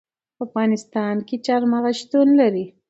په افغانستان کې چار مغز شتون لري.